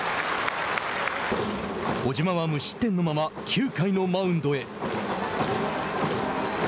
小島は無失点のまま９回のマウンドへ。